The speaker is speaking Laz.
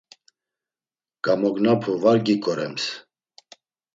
Gamognapu var gik̆orems.